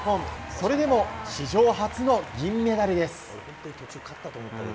それでも史上初の銀メダルです。